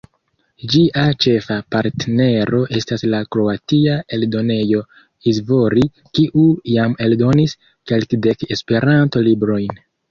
Ĝia ĉefa partnero estas la kroatia eldonejo Izvori, kiu jam eldonis kelkdek Esperanto-librojn.